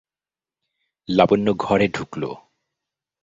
লাবণ্য ঘরে ঢুকল।